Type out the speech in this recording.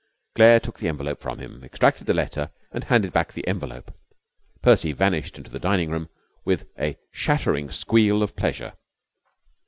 Claire took the envelope from him, extracted the letter, and handed back the envelope. Percy vanished into the dining room with a shattering squeal of pleasure.